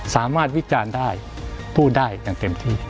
วิจารณ์ได้พูดได้อย่างเต็มที่